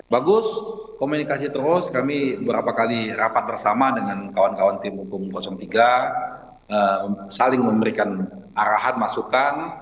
bagus komunikasi terus kami beberapa kali rapat bersama dengan kawan kawan tim hukum tiga saling memberikan arahan masukan